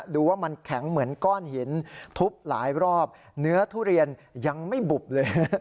ดูว่ามันแข็งเหมือนก้อนหินทุบหลายรอบเนื้อทุเรียนยังไม่บุบเลย